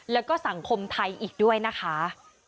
แล้วก็สังคมไทยอีกด้วยนะคะ